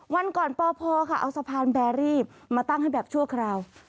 วันก่อนปพค่ะเอาสะพานแบรี่มาตั้งให้แบบชั่วคราว